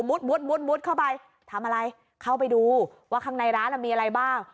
มุดมุดมุดเข้าไปทำอะไรเข้าไปดูว่าข้างในร้านมีอะไรบ้าง